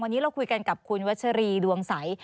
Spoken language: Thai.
วันนี้เราคุยกันกับคุณวัชรีดวงใส